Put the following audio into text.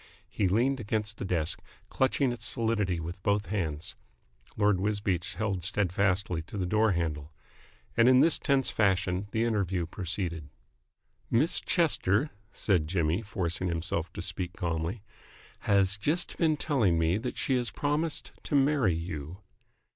He leaned against the desk, clutching its solidity with both hands. Lord Wisbeach held steadfastly to the door handle. And in this tense fashion the interview proceeded. "Miss Chester," said Jimmy, forcing himself to speak calmly, "has just been telling me that she has promised to marry you."